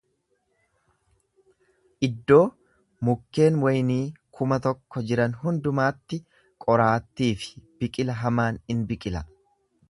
Iddoo mukkeen waynii kuma tokko jiran hundumaatti qoraattii fi biqila hamaan in biqila.